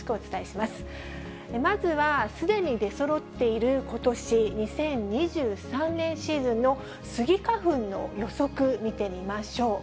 まずは、すでに出そろっていることし、２０２３年シーズンのスギ花粉の予測、見てみましょう。